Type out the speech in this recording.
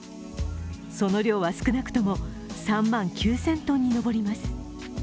その量は少なくとも３万９０００トンに上ります。